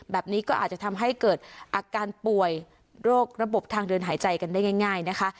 แบบนี้ก็อาจจะทำให้เกิดอาการป่วยโรคระบบทางเดินหายใจกันได้ง่ายนะคะ